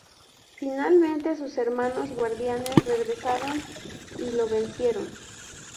Finalmente, sus hermanos Guardianes regresaron y lo vencieron.